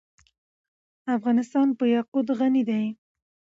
افغانستان په یاقوت غني دی.